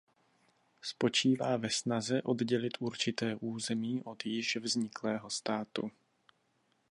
Spočívá ve snaze oddělit určité území od již vzniklého státu.